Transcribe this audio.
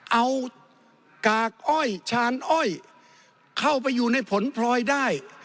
เอากากอ้อยชานอ้อยเข้าไปอยู่ในผลพลอยได้